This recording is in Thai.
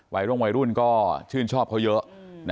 โรงวัยรุ่นก็ชื่นชอบเขาเยอะ